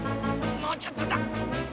もうちょっとだ。